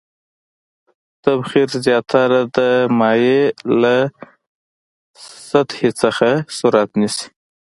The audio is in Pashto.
تبخیر زیاتره د مایع له سطحې څخه صورت نیسي.